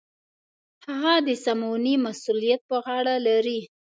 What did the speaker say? هغه د سمونې مسوولیت په غاړه لري.